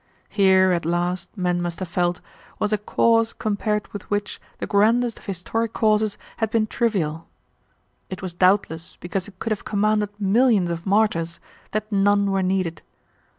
"Here, at last, men must have felt, was a cause compared with which the grandest of historic causes had been trivial. It was doubtless because it could have commanded millions of martyrs, that none were needed.